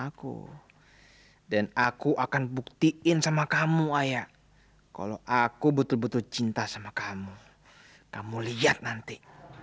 aku dan aku akan buktiin sama kamu ayah kalau aku betul betul cinta sama kamu kamu lihat nanti